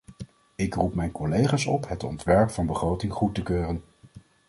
Ik roep mijn collega's op het ontwerp van begroting goed te keuren.